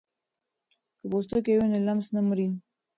که پوستکی وي نو لمس نه مري.